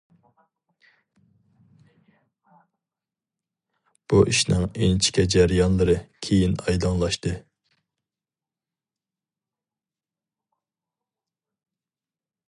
بۇ ئىشنىڭ ئىنچىكە جەريانلىرى كىيىن ئايدىڭلاشتى.